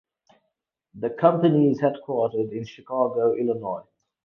The company is headquartered in Chicago, Illinois.